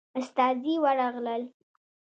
استازي ورغلل.